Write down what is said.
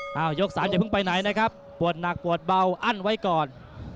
ยกสามอย่าเพิ่งไปไหนนะครับปวดหนักปวดเบาอั้นไว้ก่อน